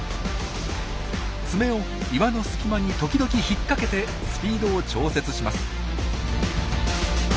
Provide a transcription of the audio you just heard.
爪を岩の隙間に時々引っ掛けてスピードを調節します。